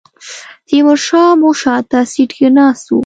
تیمور شاه مو شاته سیټ کې ناست و.